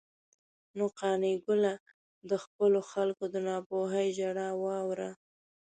نو قانع ګله، د خپلو خلکو د ناپوهۍ ژړا واوره.